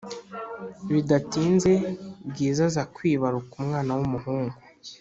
bidatinze bwiza aza kwibaruka umwana wumuhungu